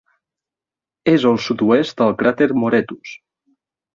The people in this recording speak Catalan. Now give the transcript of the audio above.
És al sud-oest del cràter Moretus.